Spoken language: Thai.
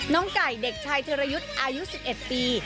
ไก่เด็กชายธิรยุทธ์อายุ๑๑ปี